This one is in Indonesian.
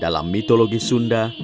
dalam mitologi sunda